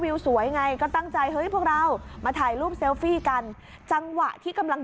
วิวสวยไงก็ตั้งใจเฮ้ยพวกเรามาถ่ายรูปเซลฟี่กันจังหวะที่กำลัง